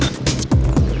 wah keren banget